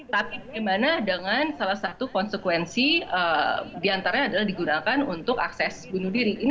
tapi bagaimana dengan salah satu konsekuensi diantaranya adalah digunakan untuk akses bunuh diri